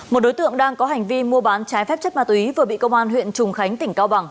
một đối tượng đang có hành vi mua bán trái phép chất ma túy vừa bị công an huyện trùng khánh tỉnh cao bằng